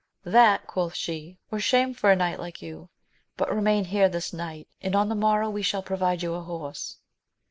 That, quoth she were shame for a knight like you ; but remain here this night, and on the mor row we will provide you a horse.